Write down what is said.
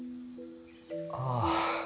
ああ。